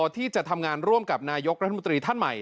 ที่จะทำงานร่วมกับนายกรัฐมนตรีท่านใหม่